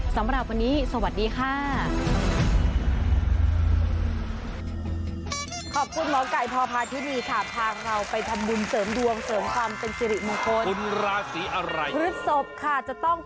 สำหรับวันนี้สวัสดีค่ะ